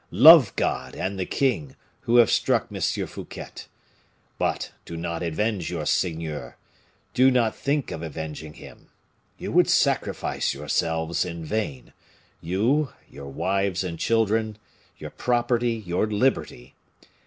Love God and the king, who have struck M. Fouquet. But do not avenge your seigneur, do not think of avenging him. You would sacrifice yourselves in vain you, your wives and children, your property, your liberty.